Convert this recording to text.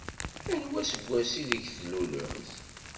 Anwa aseggas ideg tlulemt?